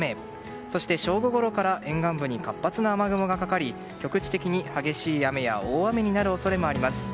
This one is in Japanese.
そして正午ごろから沿岸部に活発な雨雲がかかり局地的に激しい雨や大雨になる恐れもあります。